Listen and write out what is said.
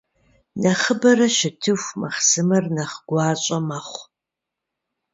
Нэхъыбэрэ щытыху, махъсымэр нэхъ гуащIэ мэхъу.